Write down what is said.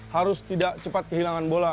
harus tidak cepat kehilangan bola